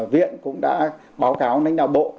viện cũng đã báo cáo đánh đạo bộ